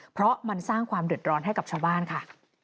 เพราะมันสร้างความเดือดร้อนให้กับชาวบ้านค่ะ